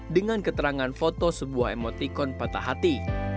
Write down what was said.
dengan keterangan foto sebuah emotikon patah hati